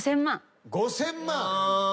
５，０００万。